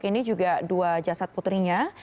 ini juga dua jasad putrinya